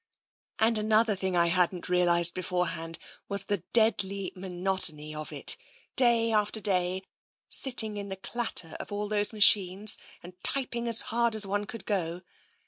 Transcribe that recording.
And another thing I hadn't real ised beforehand was the deadly monotony of it — day after day, sitting in the clatter of all those machines, and typing as hard as one could go.